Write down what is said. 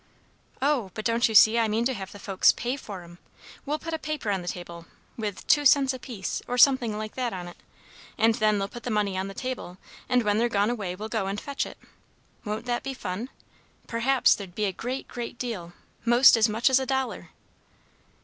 "Oh, but don't you see I mean to have the folks pay for 'em! We'll put a paper on the table, with 'two cents apiece,' or something like that, on it. And then they'll put the money on the table, and when they're gone away we'll go and fetch it. Won't that be fun? Perhaps there'd be a great, great deal, most as much as a dollar!"